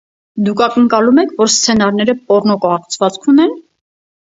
«Դուք ակնկալում եք, որ սցենարները պոռնո կառուցվածք ունե՞ն»։